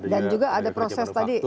dan juga ada proses tadi